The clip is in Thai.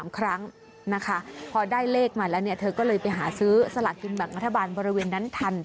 บริเวณนั้นทันทีเลยนะ